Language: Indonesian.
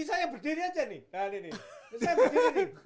ini saya berdiri nih